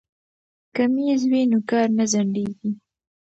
که میز وي نو کار نه ځنډیږي.